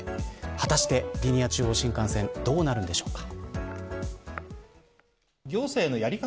果たして、リニア中央新幹線どうなるのでしょうか。